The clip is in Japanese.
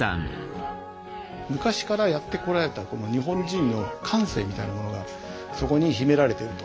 昔からやってこられたこの日本人の感性みたいなものがそこに秘められていると。